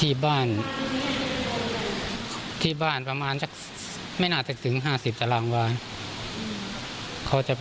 ที่บ้านที่บ้านประมาณไม่นานถึง๕๐จรางบาท